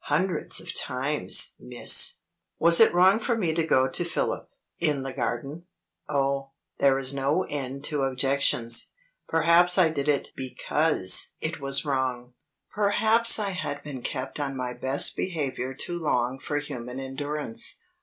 "Hundreds of times, miss." Was it wrong for me to go to Philip, in the garden? Oh, there is no end to objections! Perhaps I did it because it was wrong. Perhaps I had been kept on my best behavior too long for human endurance.